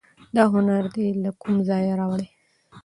دا هنر دي له کوم ځایه دی راوړی